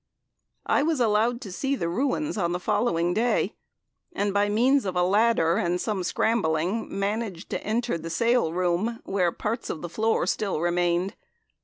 I was allowed to see the Ruins on the following day, and by means of a ladder and some scrambling managed to enter the Sale Room where parts of the floor still remained.